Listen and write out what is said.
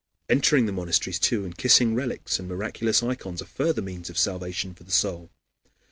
Entering monasteries too and kissing relics and miraculous ikons, are further means of salvation for the soul.